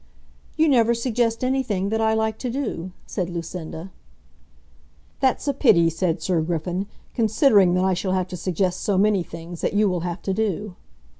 "You never suggest anything that I like to do," said Lucinda. "That's a pity," said Sir Griffin, "considering that I shall have to suggest so many things that you will have to do."